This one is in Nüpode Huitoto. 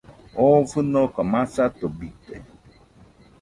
Oo fɨnoka masato bite.